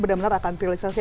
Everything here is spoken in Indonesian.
benar benar akan terrealisasi